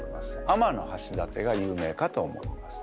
天橋立が有名かと思います。